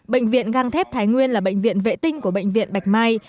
bệnh viện găng thép thái nguyên là bệnh viện vệ tinh của bệnh viện bạch mai